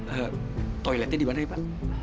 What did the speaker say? eh toiletnya di mana nih pak